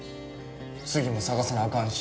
次も探さなあかんし。